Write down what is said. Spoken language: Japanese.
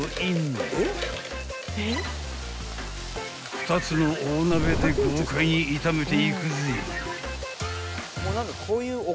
［２つの大鍋で豪快に炒めていくぜ］